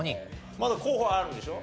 まだ候補はあるでしょ？